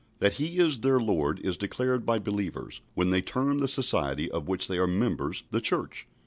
That He is their Lord is declared by believers, when they term the society of which they are members "the Church."